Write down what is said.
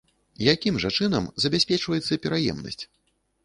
Якім жа чынам забяспечваецца пераемнасць?